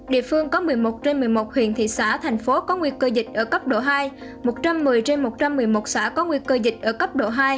địa phương có một mươi một trên một mươi một huyện thị xã thành phố có nguy cơ dịch ở cấp độ hai một trăm một mươi trên một trăm một mươi một xã có nguy cơ dịch ở cấp độ hai